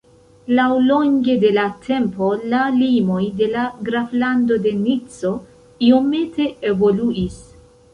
Laŭlonge de la tempo, la limoj de la graflando de Nico iomete evoluis.